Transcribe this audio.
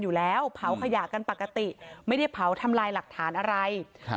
อยู่แล้วเผาขยะกันปกติไม่ได้เผาทำลายหลักฐานอะไรครับ